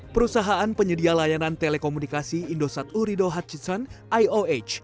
perusahaan penyedia layanan telekomunikasi indosat oredo hutchison ioh